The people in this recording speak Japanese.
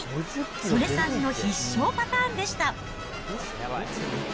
素根さんの必勝パターンでした。